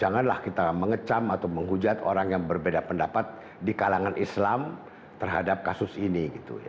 janganlah kita mengecam atau menghujat orang yang berbeda pendapat di kalangan islam terhadap kasus ini